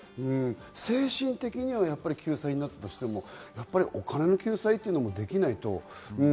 精神的には救済になっている人でもお金の救済というのはできないと。